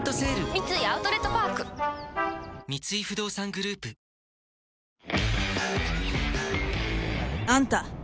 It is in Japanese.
三井アウトレットパーク三井不動産グループファミマがまた増量する。